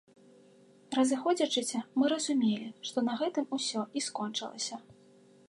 Разыходзячыся, мы разумелі, што на гэтым усё і скончылася.